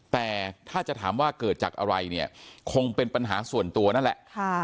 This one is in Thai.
แต่ถ้าจะถามว่าเกิดจากอะไรเนี่ยคงเป็นปัญหาส่วนตัวนั่นแหละ